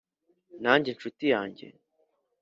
nanjye nshuti yanjye